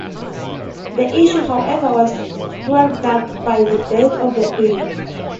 This issue, however, was thwarted by the death of the Queen.